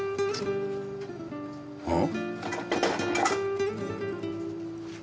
うん？